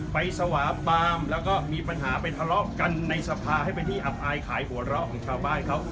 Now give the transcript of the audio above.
สวาปามแล้วก็มีปัญหาไปทะเลาะกันในสภาให้เป็นที่อับอายขายหัวเราะของชาวบ้านเขา